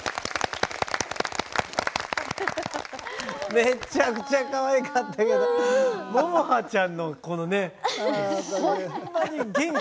めっちゃくちゃかわいかったけど百々芭ちゃんのこのねホンマに元気。